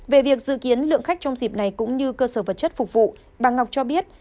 về việc dự kiến lượng khách trong dịp này cũng như cơ sở vật chất phục vụ bà ngọc cho biết